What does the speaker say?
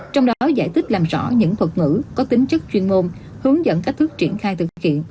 trong đó giải thích làm rõ những thuật ngữ có tính chất chuyên môn hướng dẫn cách thức triển khai thực hiện